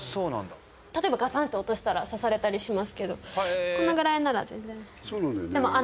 例えばガシャンって落としたら刺されたりしますけどこのぐらいなら全然。